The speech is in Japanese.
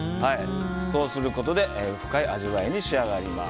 そうすることで深い味わいに仕上がります。